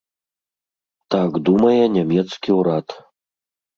Так думае нямецкі ўрад.